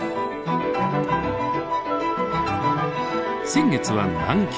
先月は南極。